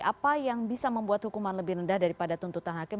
apa yang bisa membuat hukuman lebih rendah daripada tuntutan hakim